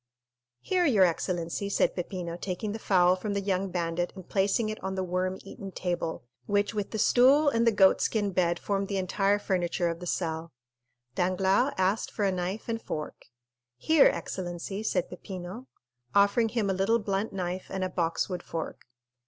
"Here, your excellency," said Peppino, taking the fowl from the young bandit and placing it on the worm eaten table, which with the stool and the goat skin bed formed the entire furniture of the cell. Danglars asked for a knife and fork. "Here, excellency," said Peppino, offering him a little blunt knife and a boxwood fork.